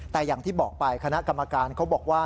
แต่อย่างที่บอกไปคณะกรรมการเขาบอกว่า